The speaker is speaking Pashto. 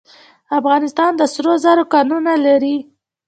افغانستان د سرو زرو کانونه لري